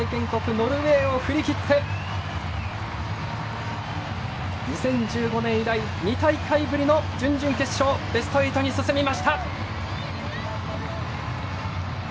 ノルウェーを振り切って２０１５年以来、２大会ぶりの準々決勝、ベスト８に進みました。